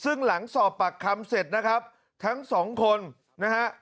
ซึ่งหลังสอบปากคำเสร็จนะครับทั้งสองคนนะฮะ